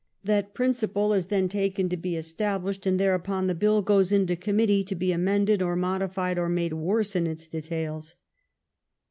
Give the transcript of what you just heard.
That principle is then taken to be established, and thereupon the bill goes into committee to be amended or modified or made worse in its details.